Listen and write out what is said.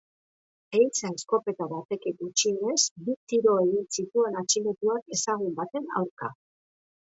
Ehiza eskopeta batekin gutxienez bi tiro egin zituen atxilotuak ezagun baten aurka.